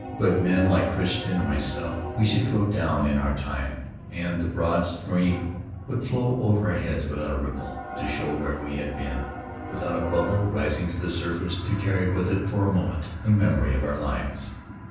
But men like Crichton or myself — we should go down in our time, and the broad stream would flow over our heads without a ripple to show where we had been, without a bubble rising to the surface to carry with it for a moment the memory of our lives.